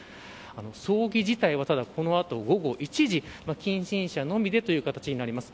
葬儀自体は、このあと午後１時近親者のみでという形になります。